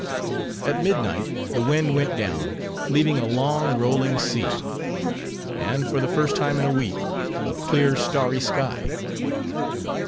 At midnight, the wind went down; leaving a long, rolling sea; and, for the first time in a week, a clear, starry sky.